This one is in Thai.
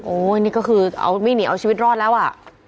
นี่ก็คือเอาไม่หนีเอาชีวิตรอดแล้วอ่ะ